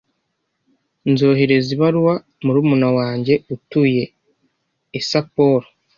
Nzohereza ibaruwa murumuna wanjye utuye i Sapporo.